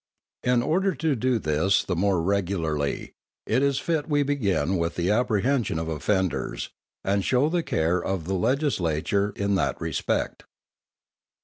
In order to do this the more regularly, it is fit we begin with the apprehension of offenders, and shew the care of the Legislature in that respect.